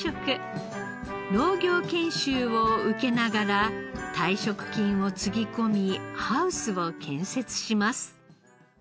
農業研修を受けながら退職金をつぎ込みハウスを建設します。